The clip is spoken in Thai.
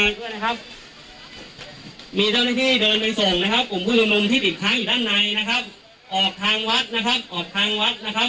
ซึ่งออกทางวัดนะครับขอบความน่าด้วยนะครับมีเจ้าที่เดินไปส่งนะครับกลุ่มผู้ชมนุมที่ติดค้างอยู่ด้านในนะครับออกทางวัดนะครับออกทางวัดนะครับ